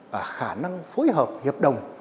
và khả năng phối hợp hiệp đồng